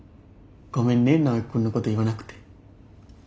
ごめんねナオキ君のこと言わなくて。